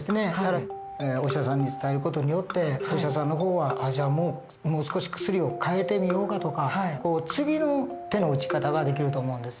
お医者さんに伝える事によってお医者さんの方は「じゃあもう少し薬を変えてみようか」とか次の手の打ち方ができると思うんですね。